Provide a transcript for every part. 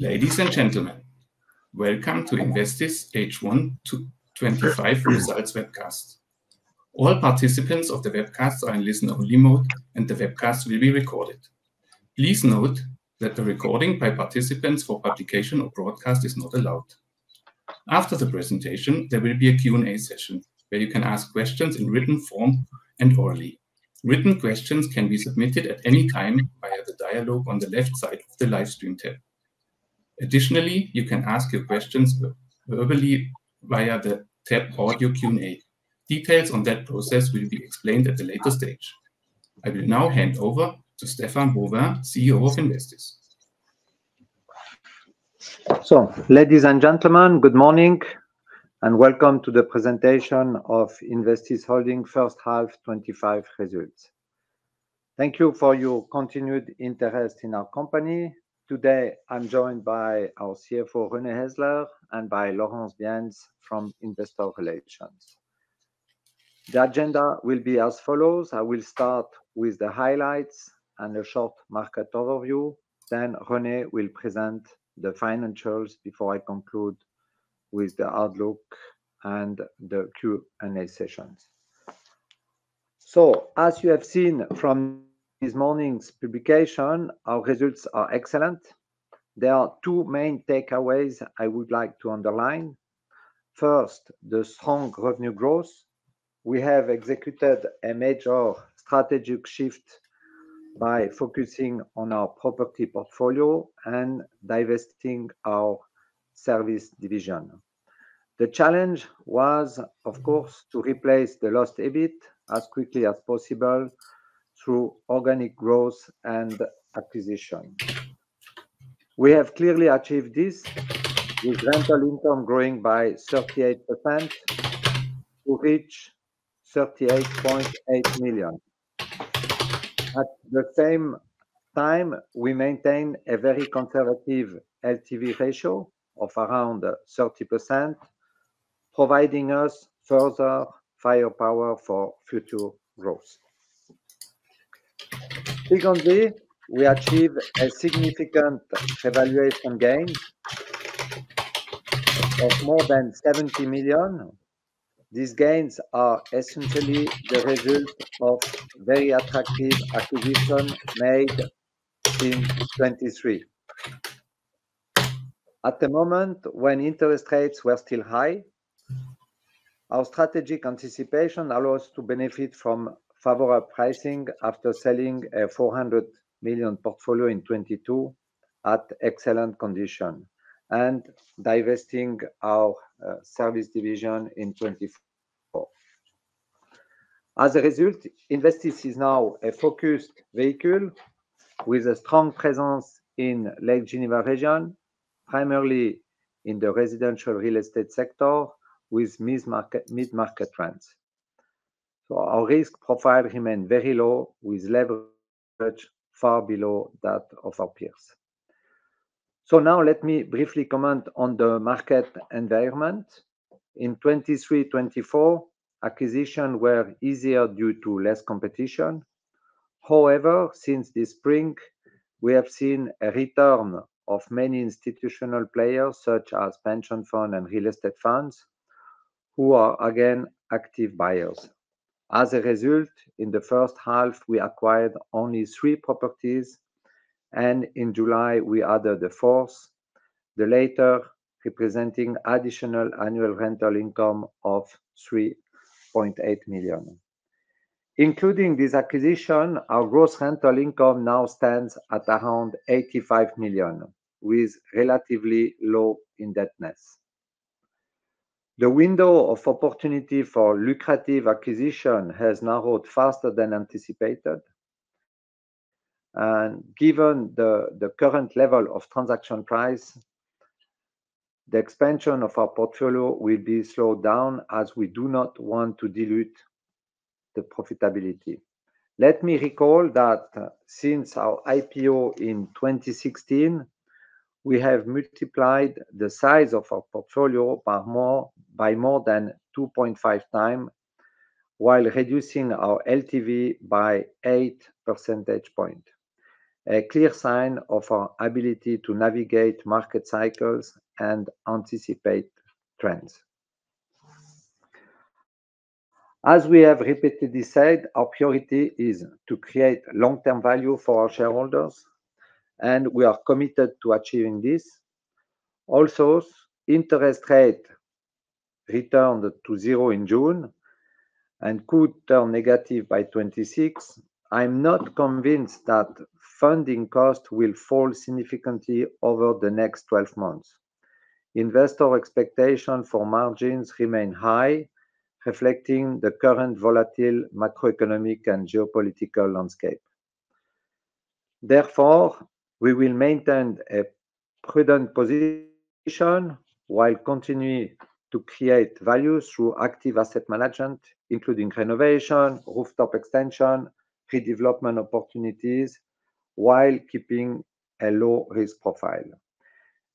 Ladies and gentlemen, welcome to Investis H1 2025 results webcast. All participants of the webcast are in listen only mode, and the webcast will be recorded. Please note that the recording by participants for publication or broadcast is not allowed. After the presentation, there will be a Q&A session where you can ask questions in written form and orally. Written questions can be submitted at any time via the dialogue on the left side of the live stream tab. Additionally, you can ask your questions verbally via the tab audio Q&A. Details on that process will be explained at a later stage. I will now hand over to Stéphane Bonvin, CEO of Investis. Ladies and gentlemen, good morning, and welcome to the presentation of Investis Holding first half 2025 results. Thank you for your continued interest in our company. Today, I'm joined by our CFO, René Häsler, and by Laurence Bienz from Investor Relations. The agenda will be as follows. I will start with the highlights and a short market overview. René will present the financials before I conclude with the outlook and the Q&A sessions. As you have seen from this morning's publication, our results are excellent. There are two main takeaways I would like to underline. First, the strong revenue growth. We have executed a major strategic shift by focusing on our property portfolio and divesting our service division. The challenge was, of course, to replace the lost EBIT as quickly as possible through organic growth and acquisition. We have clearly achieved this with rental income growing by 38% to reach 38.8 million. At the same time, we maintain a very conservative LTV ratio of around 30%, providing us further firepower for future growth. Secondly, we achieve a significant evaluation gain of more than 70 million. These gains are essentially the result of very attractive acquisition made in 2023. At the moment when interest rates were still high, our strategic anticipation allows to benefit from favorable pricing after selling a 400 million portfolio in 2022 at excellent condition and divesting our service division in 2024. As a result, Investis is now a focused vehicle with a strong presence in Lake Geneva region, primarily in the residential real estate sector with mid-market rents. Our risk profile remain very low with leverage far below that of our peers. Now let me briefly comment on the market environment. In 2023, 2024, acquisition were easier due to less competition. However, since this spring we have seen a return of many institutional players such as pension fund and real estate funds, who are again active buyers. As a result, in the first half we acquired only 3 properties, and in July we added the 4th, the latter representing additional annual rental income of 3.8 million. Including this acquisition, our gross rental income now stands at around 85 million with relatively low indebtedness. The window of opportunity for lucrative acquisition has narrowed faster than anticipated. Given the current level of transaction price, the expansion of our portfolio will be slowed down as we do not want to dilute the profitability. Let me recall that since our IPO in 2016, we have multiplied the size of our portfolio by more than 2.5 times, while reducing our LTV by 8 percentage points. A clear sign of our ability to navigate market cycles and anticipate trends. As we have repeatedly said, our priority is to create long-term value for our shareholders, and we are committed to achieving this. Interest rate returned to zero in June and could turn negative by 2026. I'm not convinced that funding costs will fall significantly over the next 12 months. Investor expectation for margins remain high, reflecting the current volatile macroeconomic and geopolitical landscape. We will maintain a prudent position while continuing to create value through active asset management, including renovation, rooftop extension, redevelopment opportunities, while keeping a low risk profile.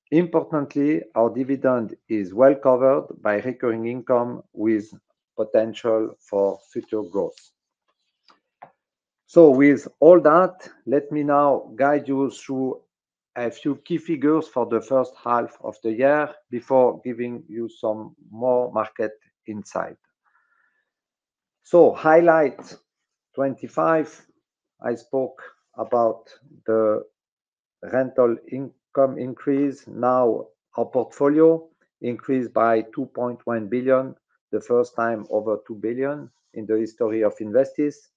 Importantly, our dividend is well covered by recurring income with potential for future growth. With all that, let me now guide you through a few key figures for the first half of the year before giving you some more market insight. Highlight 25, I spoke about the rental income increase. Our portfolio increased by 2.1 billion, the first time over 2 billion in the history of Investis.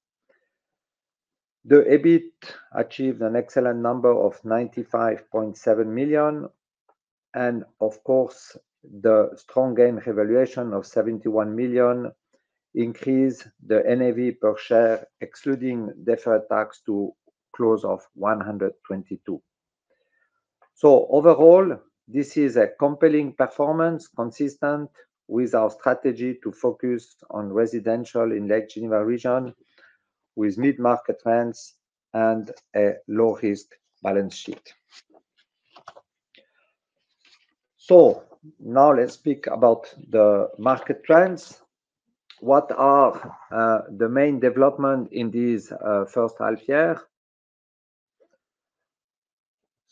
The EBIT achieved an excellent number of 95.7 million. Of course, the strong gain revaluation of 71 million increased the NAV per share, excluding deferred tax to close of 122. Overall, this is a compelling performance consistent with our strategy to focus on residential in Lake Geneva region with mid-market rents and a low-risk balance sheet. Now let's speak about the market trends. What are the main developments in this first half year?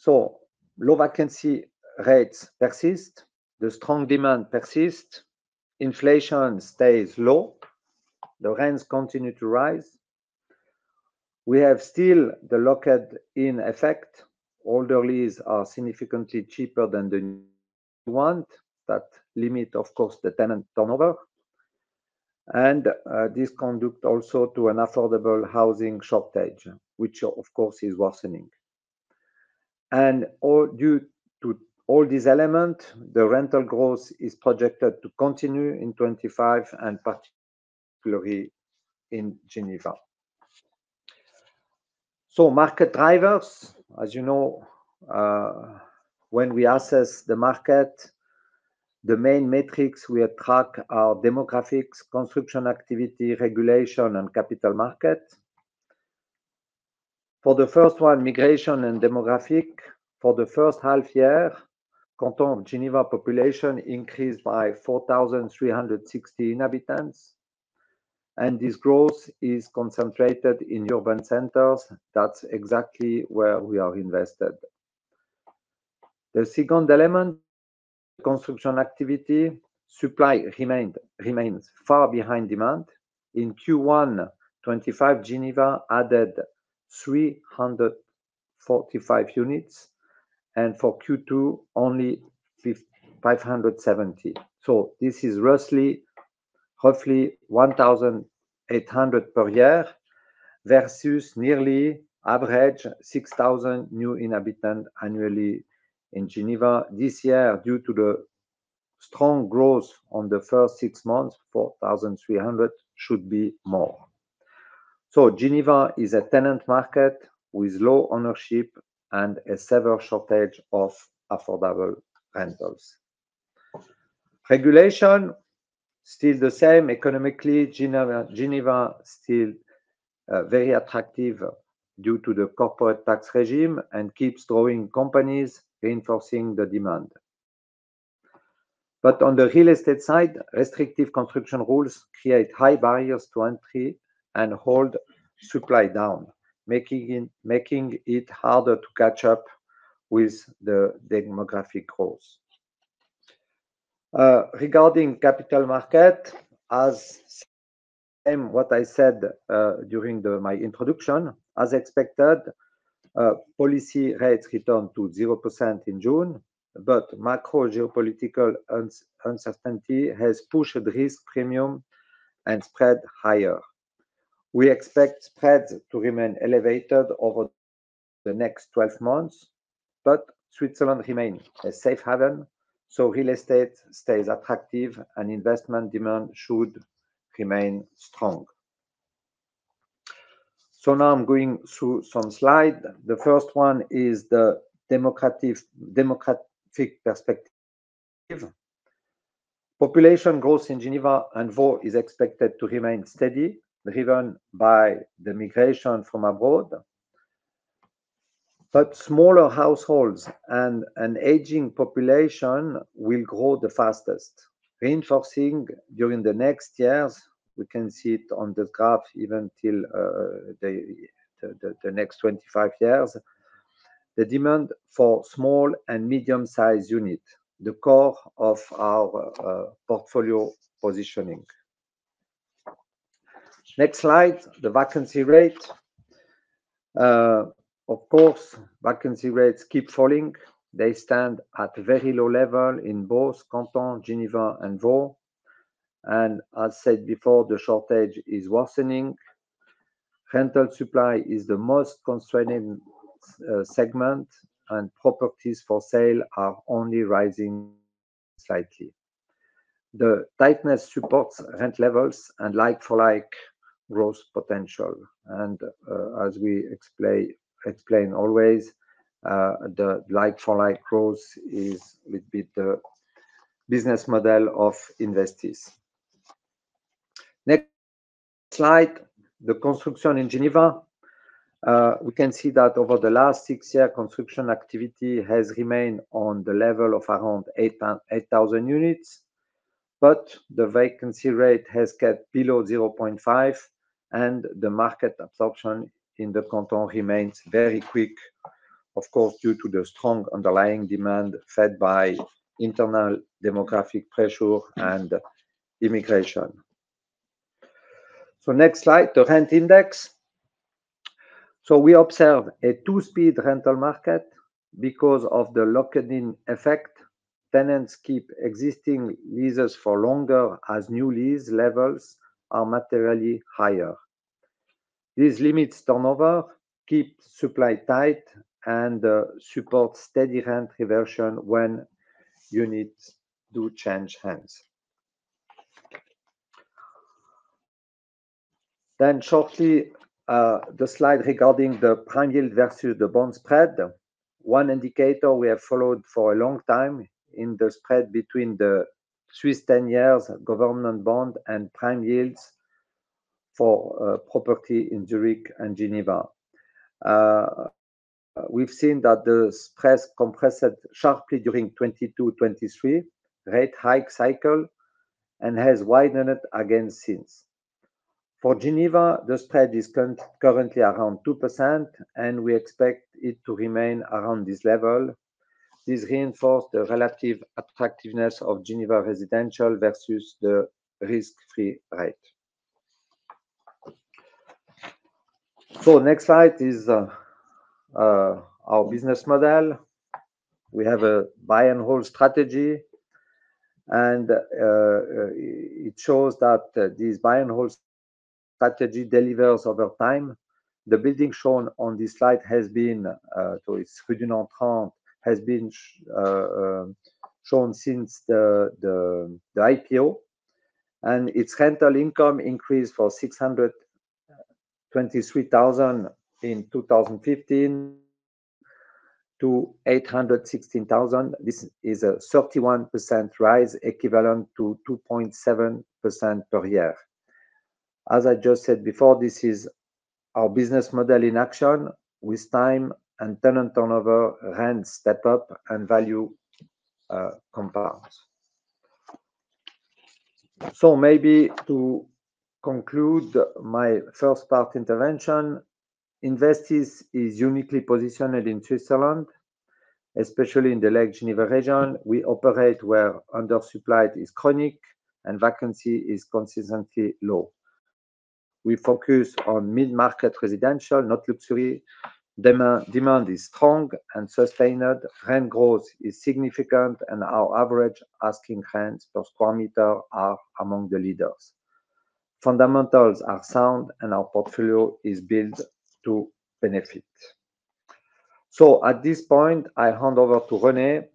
Low vacancy rates persist. The strong demand persists. Inflation stays low. The rents continue to rise. We have still the locked-in effect. Older leases are significantly cheaper than the new ones. That limits, of course, the tenant turnover. This conducts also to an affordable housing shortage, which of course is worsening. Due to all these elements, the rental growth is projected to continue in 2025 and particularly in Geneva. Market drivers. As you know, when we assess the market, the main metrics we track are demographics, construction activity, regulation, and capital markets. For the first one, migration and demographics. For the first half year, Canton of Geneva population increased by 4,360 inhabitants, and this growth is concentrated in urban centers. That's exactly where we are invested. The second element, construction activity. Supply remains far behind demand. In Q1 2025, Geneva added 345 units, and for Q2 only 570. This is roughly 1,800 per year versus nearly average 6,000 new inhabitants annually in Geneva. This year, due to the strong growth on the first six months, 4,300 should be more. Geneva is a tenant market with low ownership and a severe shortage of affordable rentals. Regulation, still the same. Economically, Geneva still very attractive due to the corporate tax regime and keeps growing companies reinforcing the demand. On the real estate side, restrictive construction rules create high barriers to entry and hold supply down, making it harder to catch up with the demographic growth. Regarding capital market, as same what I said during my introduction. As expected, policy rates returned to 0% in June, macro geopolitical uncertainty has pushed risk premium and spread higher. We expect spreads to remain elevated over the next 12 months. Switzerland remains a safe haven, real estate stays attractive and investment demand should remain strong. Now I'm going through some slide. The first one is the democratic perspective. Population growth in Geneva and Vaud is expected to remain steady, driven by the migration from abroad. Smaller households and an aging population will grow the fastest. Reinforcing during the next years, we can see it on the graph even till the next 25 years. The demand for small and medium-size unit, the core of our portfolio positioning. Next slide, the vacancy rate. Of course, vacancy rates keep falling. They stand at very low level in both canton, Geneva and Vaud. As said before, the shortage is worsening. Rental supply is the most constraining segment, and properties for sale are only rising slightly. The tightness supports rent levels and like-for-like growth potential. As we explain always, the like-for-like growth is with the business model of Investis. Next slide, the construction in Geneva. We can see that over the last 6 years, construction activity has remained on the level of around 8,000 units. The vacancy rate has kept below 0.5%, and the market absorption in the canton remains very quick, of course, due to the strong underlying demand fed by internal demographic pressure and immigration. Next slide, the rent index. We observe a two-speed rental market because of the locked-in effect. Tenants keep existing leases for longer as new lease levels are materially higher. These limits turnover, keep supply tight and support steady rent reversion when units do change hands. Shortly, the slide regarding the prime yield versus the bond spread. One indicator we have followed for a long time in the spread between the Swiss ten years government bond and prime yields for property in Zurich and Geneva. We've seen that the spread compressed sharply during 2022/2023 rate hike cycle and has widened again since. For Geneva, the spread is currently around 2%, and we expect it to remain around this level. This reinforce the relative attractiveness of Geneva residential versus the risk-free rate. Next slide is our business model. We have a buy and hold strategy. It shows that this buy and hold strategy delivers over time. The building shown on this slide has been, so it's Rue du Nant, has been shown since the IPO. Its rental income increased from 623,000 in 2015 to 816,000. This is a 31% rise, equivalent to 2.7% per year. As I just said before, this is our business model in action. With time and tenant turnover, rents step up and value compounds. Maybe to conclude my first part intervention. Investis is uniquely positioned in Switzerland, especially in the Lake Geneva region. We operate where undersupply is chronic and vacancy is consistently low. We focus on mid-market residential, not luxury. Demand is strong and sustained. Rent growth is significant, and our average asking rents per square meter are among the leaders. Fundamentals are sound, and our portfolio is built to benefit. At this point, I hand over to René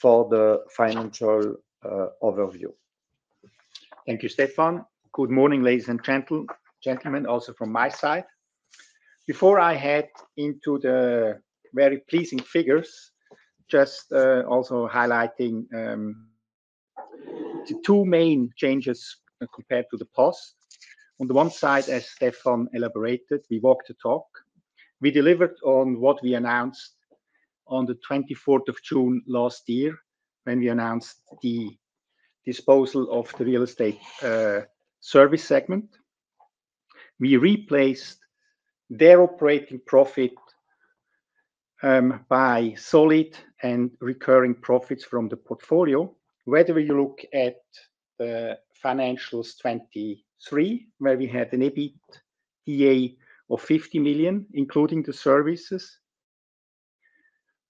for the financial overview. Thank you, Stéphane. Good morning, ladies and gentlemen, also from my side. Before I head into the very pleasing figures, just also highlighting the two main changes compared to the past. On the one side, as Stéphane elaborated, we walk the talk. We delivered on what we announced on the 24th of June last year when we announced the disposal of the real estate service segment. We replaced their operating profit by solid and recurring profits from the portfolio. Whether you look at the financials 2023, where we had an EBITDA of 50 million, including the services.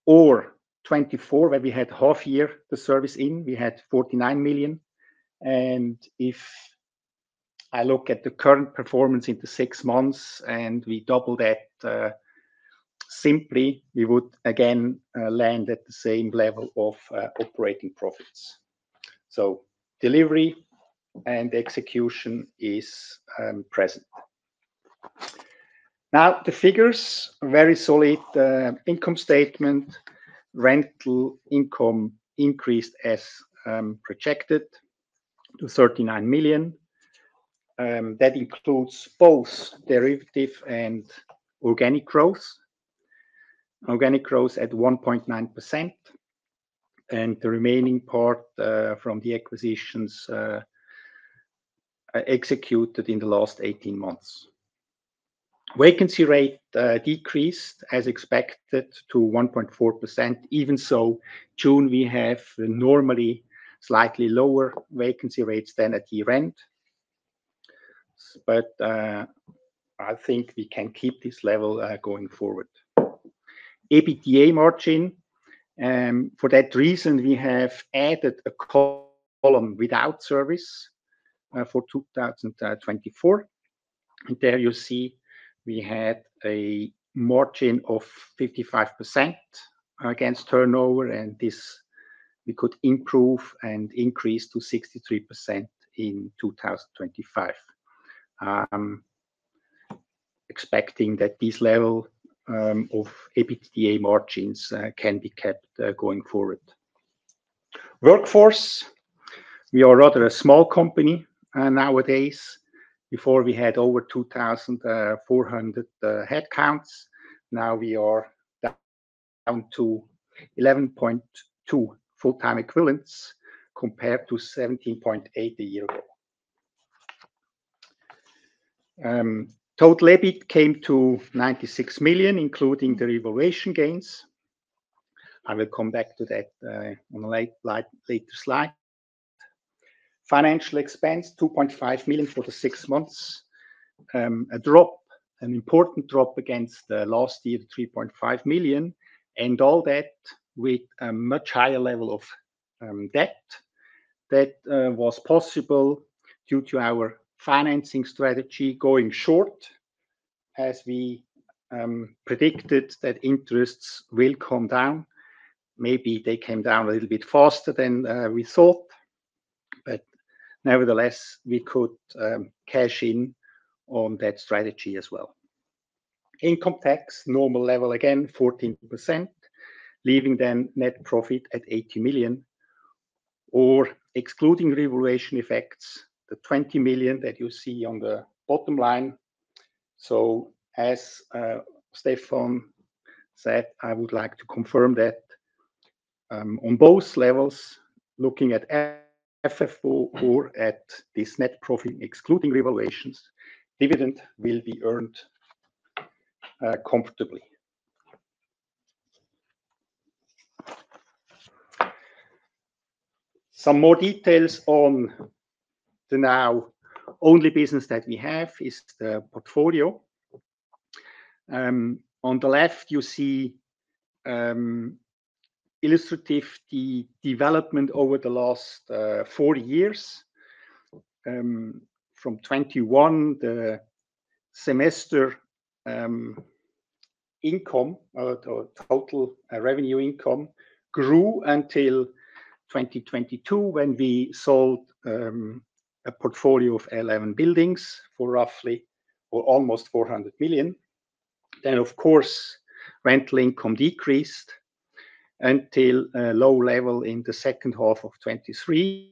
2024, where we had half year the service in, we had 49 million. If I look at the current performance into six months and we double that simply, we would again land at the same level of operating profits. Delivery and execution is present. Now, the figures, very solid income statement. Rental income increased as projected to 39 million. That includes both derivative and organic growth. Organic growth at 1.9%. The remaining part from the acquisitions executed in the last 18 months. Vacancy rate decreased as expected to 1.4%. Even so, June, we have normally slightly lower vacancy rates than at year-end. I think we can keep this level going forward. EBITDA margin. For that reason, we have added a co-column without service for 2024. There you see we had a margin of 55% against turnover, and this we could improve and increase to 63% in 2025. Expecting that this level of EBITDA margins can be kept going forward. Workforce. We are rather a small company nowadays. Before we had over 2,400 headcounts. Now we are down to 11.2 full-time equivalents compared to 17.8 a year ago. Total EBITDA came to 96 million, including the revaluation gains. I will come back to that on a later slide. Financial expense, 2.5 million for the six months. A drop, an important drop against the last year, the 3.5 million, and all that with a much higher level of debt. That was possible due to our financing strategy going short as we predicted that interests will come down. Maybe they came down a little bit faster than we thought. Nevertheless, we could cash in on that strategy as well. Income tax, normal level, again, 14%, leaving then net profit at 80 million. Excluding revaluation effects, the 20 million that you see on the bottom line. As Stéphane said, I would like to confirm that on both levels, looking at FFO or at this net profit, excluding revaluations, dividend will be earned comfortably. Some more details on the now only business that we have is the portfolio. On the left you see illustrative the development over the last four years. From 2021, the semester income or total revenue income grew until 2022 when we sold a portfolio of 11 buildings for roughly or almost 400 million. Of course, rental income decreased until a low level in the second half of 2023,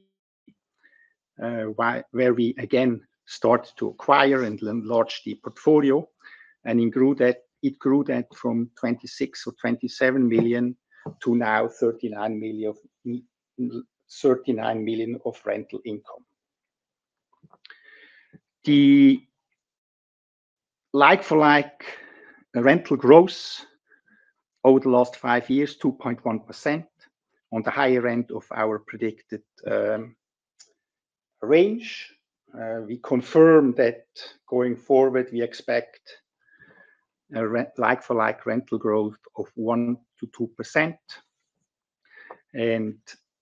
where we again started to acquire and enlarge the portfolio, and it grew that from 26 million or 27 million to now 39 million of rental income. The like for like rental growth over the last five years, 2.1% on the higher end of our predicted range. We confirm that going forward, we expect a rent like for like rental growth of 1%-2%.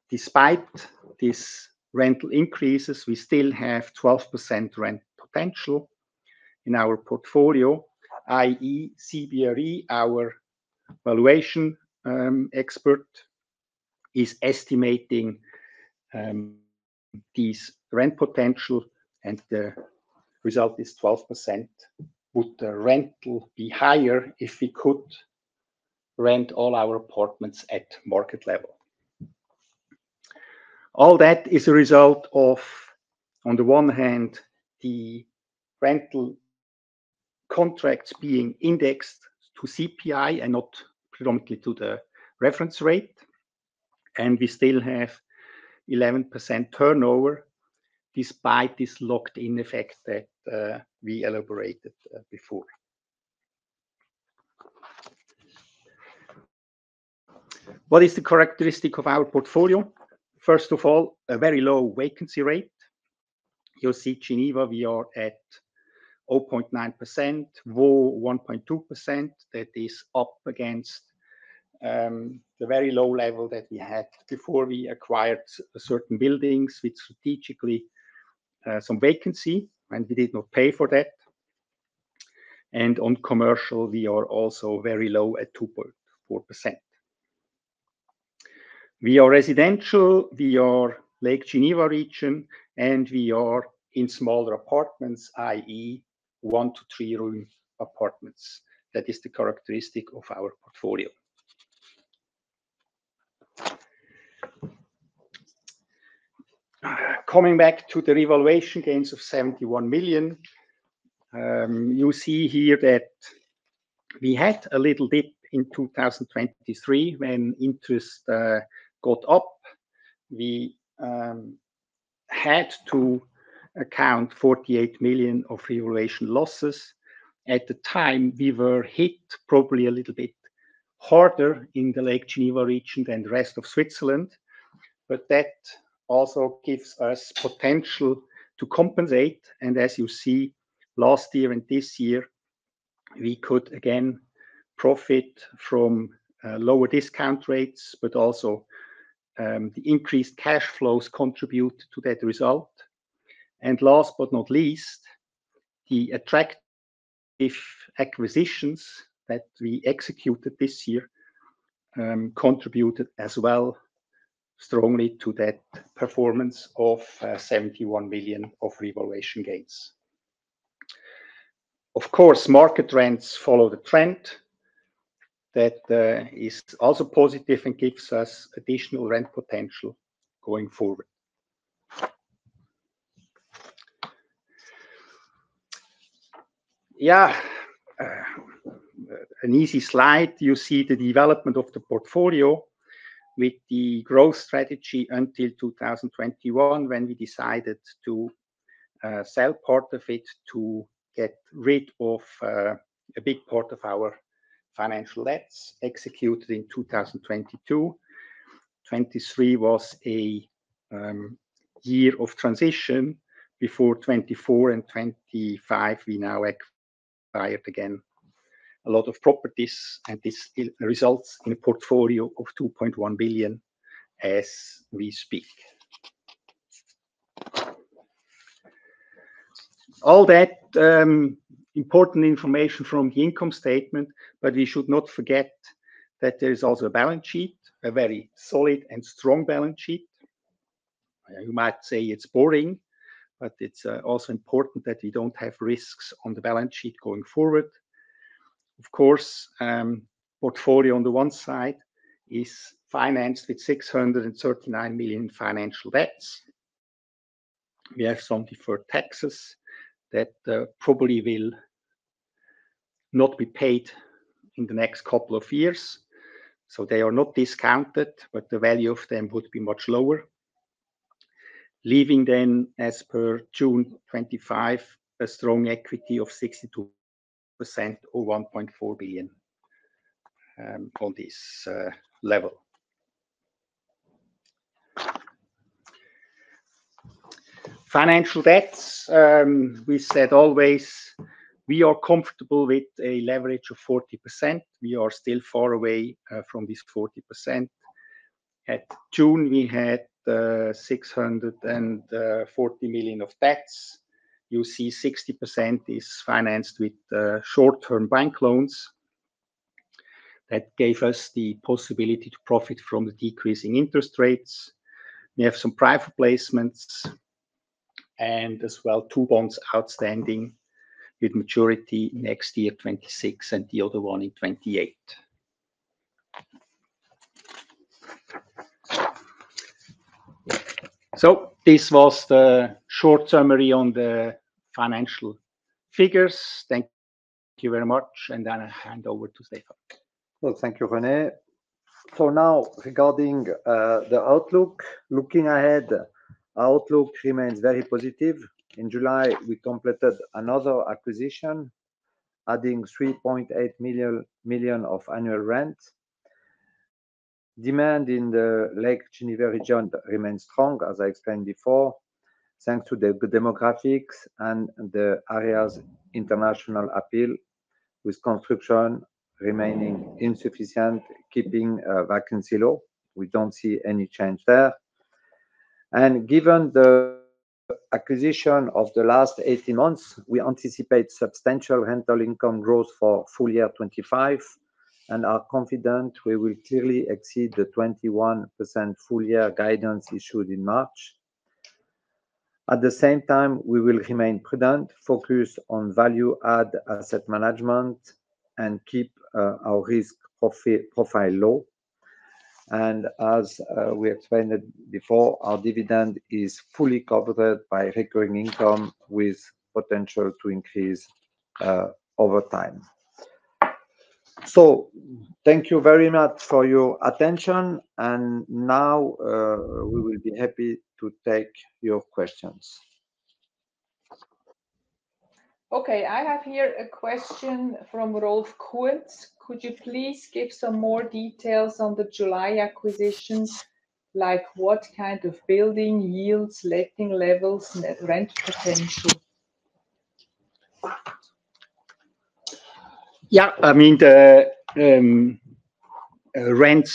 Despite these rental increases, we still have 12% rent potential in our portfolio, i.e. CBRE, our valuation expert is estimating this rent potential, and the result is 12%. Would the rent be higher if we could rent all our apartments at market level? All that is a result of, on the one hand, the rental contracts being indexed to CPI and not predominantly to the reference rate. We still have 11% turnover despite this locked-in effect that we elaborated before. What is the characteristic of our portfolio? First of all, a very low vacancy rate. You see Geneva, we are at 0.9%. Vaud, 1.2%. That is up against the very low level that we had before we acquired certain buildings with strategically some vacancy, and we did not pay for that. On commercial, we are also very low at 2.4%. We are residential, we are Lake Geneva region, and we are in smaller apartments, i.e. 1 to 3 room apartments. That is the characteristic of our portfolio. Coming back to the revaluation gains of 71 million, you see here that we had a little dip in 2023 when interest got up. We had to account 48 million of revaluation losses. At the time, we were hit probably a little bit harder in the Lake Geneva region than the rest of Switzerland. That also gives us potential to compensate. As you see, last year and this year, we could again profit from lower discount rates, also the increased cash flows contribute to that result. Last but not least, the attractive acquisitions that we executed this year contributed as well strongly to that performance of 71 million of revaluation gains. Of course, market rents follow the trend. That is also positive and gives us additional rent potential going forward. Yeah. An easy slide. You see the development of the portfolio with the growth strategy until 2021 when we decided to sell part of it to get rid of a big part of our financial debts executed in 2022. 2023 was a year of transition. Before 2024 and 2025, we now acquired again a lot of properties, and this results in a portfolio of 2.1 billion as we speak. All that important information from the income statement. We should not forget that there is also a balance sheet, a very solid and strong balance sheet. You might say it's boring, but it's also important that we don't have risks on the balance sheet going forward. Portfolio on the one side is financed with 639 million financial debts. We have some deferred taxes that probably will not be paid in the next couple of years. They are not discounted, but the value of them would be much lower. Leaving then, as per June 25, a strong equity of 62% or 1.4 billion on this level. Financial debts. We said always we are comfortable with a leverage of 40%. We are still far away from this 40%. At June, we had 640 million of debts. You see 60% is financed with short-term bank loans. That gave us the possibility to profit from the decreasing interest rates. We have some private placements, and as well, two bonds outstanding with maturity next year, 2026, and the other one in 2028. This was the short summary on the financial figures. Thank you very much. I hand over to Stéphane. Well, thank you, René. For now, regarding the outlook. Looking ahead, our outlook remains very positive. In July, we completed another acquisition, adding 3.8 million of annual rent. Demand in the Lake Geneva region remains strong, as I explained before, thanks to the good demographics and the area's international appeal, with construction remaining insufficient, keeping vacancy low. We don't see any change there. Given the acquisition of the last 18 months, we anticipate substantial rental income growth for full year 2025 and are confident we will clearly exceed the 21% full year guidance issued in March. At the same time, we will remain prudent, focused on value add asset management, and keep our risk profile low. As we explained it before, our dividend is fully covered by recurring income with potential to increase over time. Thank you very much for your attention. Now, we will be happy to take your questions. Okay. I have here a question from Rolf Kunz. Could you please give some more details on the July acquisition? Like what kind of building yields, letting levels, net rent potential? I mean, the rent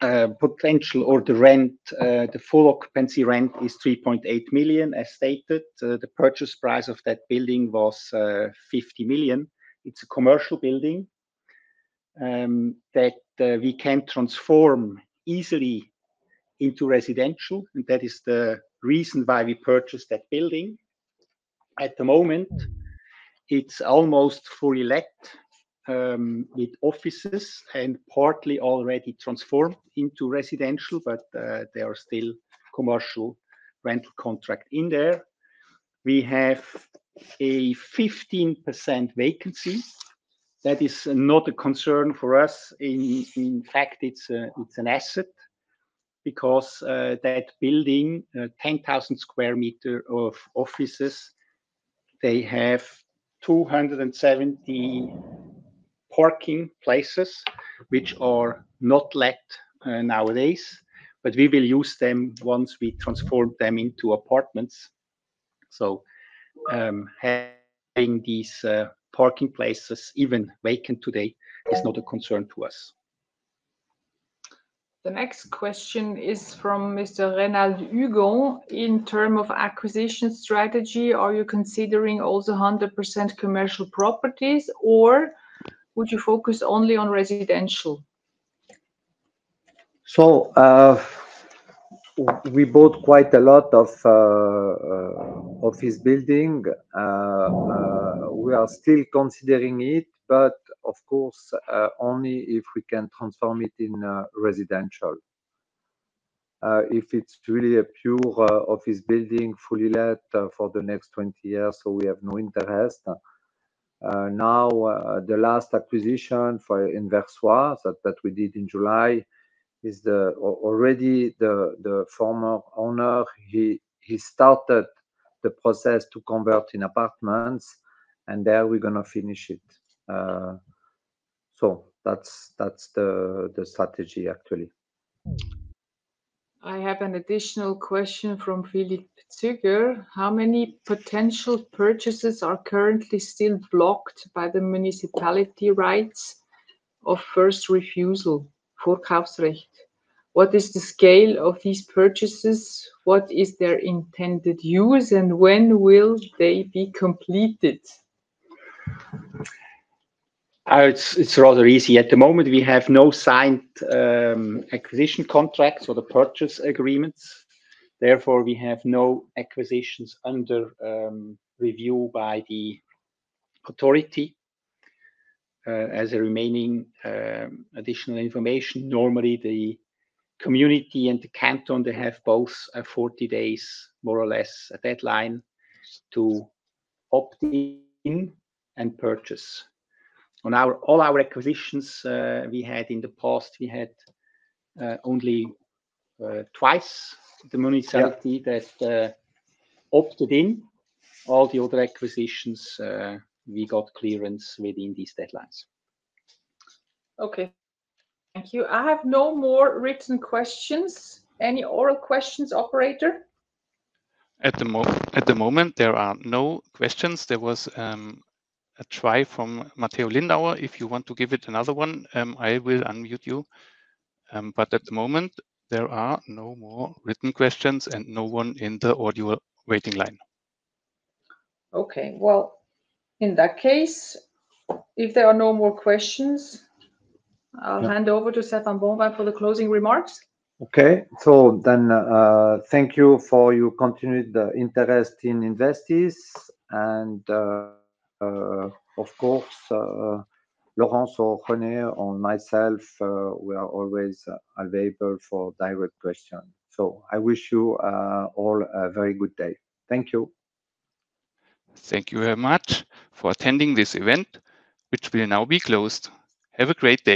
potential or the rent, the full occupancy rent is 3.8 million, as stated. The purchase price of that building was 50 million. It's a commercial building that we can transform easily into residential. That is the reason why we purchased that building. At the moment, it's almost fully let with offices and partly already transformed into residential. There are still commercial rental contract in there. We have a 15% vacancy. That is not a concern for us. In fact, it's an asset because that building, 10,000 square meter of offices, they have 270 parking places which are not let nowadays. We will use them once we transform them into apartments. Having these parking places even vacant today is not a concern to us. The next question is from Mr. Renaud Bentégeat. In terms of acquisition strategy, are you considering also 100% commercial properties, or would you focus only on residential? We bought quite a lot of office building. We are still considering it, but of course, only if we can transform it in residential. If it's really a pure office building fully let for the next 20 years, so we have no interest. Now, the last acquisition for Investis that we did in July already the former owner started the process to convert in apartments, and there we're gonna finish it. That's the strategy actually. I have an additional question from Philippe Züger. How many potential purchases are currently still blocked by the municipality rights of first refusal, Vorkaufsrecht? What is the scale of these purchases? What is their intended use, and when will they be completed? It's rather easy. At the moment, we have no signed acquisition contracts or the purchase agreements. Therefore, we have no acquisitions under review by the authority. As a remaining additional information, normally the community and the canton, they have both 40 days, more or less a deadline to opt in and purchase. All our acquisitions we had in the past, we had only twice the municipality. Yeah. That, opted in. All the other acquisitions, we got clearance within these deadlines. Okay. Thank you. I have no more written questions. Any oral questions, operator? At the moment there are no questions. There was a try from Matteo Lindauer. If you want to give it another one, I will unmute you. But at the moment there are no more written questions and no one in the audio waiting line. Okay. Well, in that case, if there are no more questions, I'll hand over to Stéphane Bonvin for the closing remarks. Okay. Thank you for your continued interest in Investis. Of course, Laurence or René or myself, we are always available for direct question. I wish you all a very good day. Thank you. Thank you very much for attending this event, which will now be closed. Have a great day.